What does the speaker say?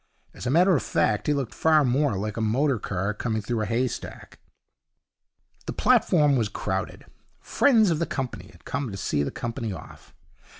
As a matter of fact, he looked far more like a motor car coming through a haystack. The platform was crowded. Friends of the company had come to see the company off.